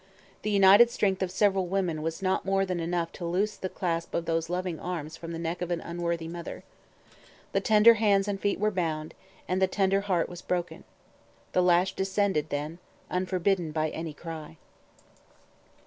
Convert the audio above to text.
The united strength of several women was not more than enough to loose the clasp of those loving arms from the neck of an unworthy mother. The tender hands and feet were bound, and the tender heart was broken. The lash descended then, unforbidden by any cry.